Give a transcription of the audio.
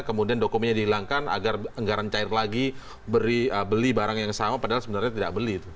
kemudian dokumennya dihilangkan agar anggaran cair lagi beli barang yang sama padahal sebenarnya tidak beli